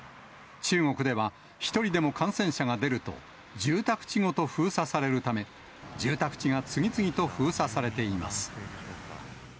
中国では、１人でも感染者が出ると、住宅地ごと封鎖されるため、住宅地が次々と封鎖されています。